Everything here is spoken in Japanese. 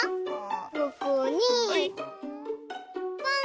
ここにポン！